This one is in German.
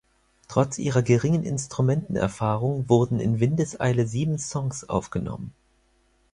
Trotz ihrer geringen Instrumenten-Erfahrung wurden in Windeseile sieben Songs aufgenommen.